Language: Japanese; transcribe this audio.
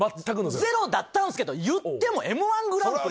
ゼロだったんすけどいっても『Ｍ−１グランプリ』。